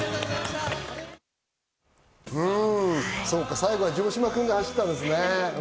最後は城島君が走ったんですね。